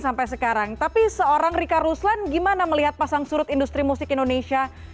sampai sekarang tapi seorang rika ruslan gimana melihat pasang surut industri musik indonesia